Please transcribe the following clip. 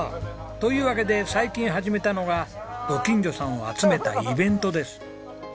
というわけで最近始めたのがご近所さんを集めたイベントです。